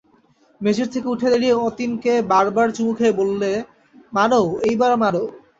মেঝের থেকে উঠে দাঁড়িয়ে অতীনকে বার বার চুমো খেয়ে বললে, মারো এইবার মারো।